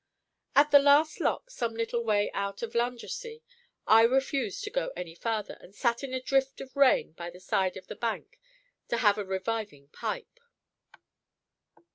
At the last lock, some little way out of Landrecies, I refused to go any farther; and sat in a drift of rain by the side of the bank, to have a reviving pipe.